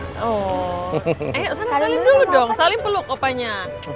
eh saling dulu dong saling peluk opahnya